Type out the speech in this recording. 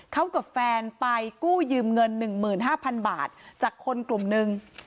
เขากับแฟนไปกู้ยืมเงิน๑๕๐๐๐บาทจากคนกลุ่มนึง